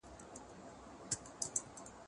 ايا ته لوبه کوې!.